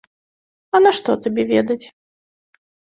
А нашто табе ведаць?